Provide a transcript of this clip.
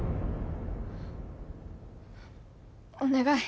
お願い。